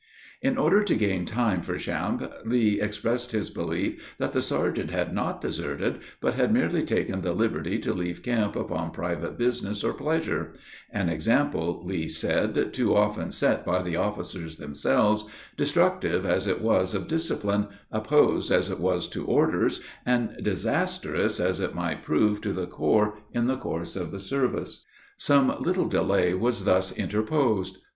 In order to gain time for Champe, Lee expressed his belief, that the sergeant had not deserted, but had merely taken the liberty to leave camp upon private business or pleasure; an example, Lee said, too often set by the officers themselves, destructive as it was of discipline, opposed as it was to orders, and disastrous as it might prove to the corps in the course of the service. Some little delay was thus interposed.